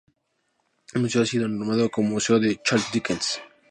El museo ha sido renombrado como Museo de Charles Dickens.